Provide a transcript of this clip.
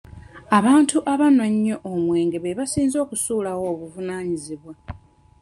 Abantu abanywa ennyo omwenge be basinze okusuulawo obuvunaanyizibwa.